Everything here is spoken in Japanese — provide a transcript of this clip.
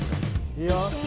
いや。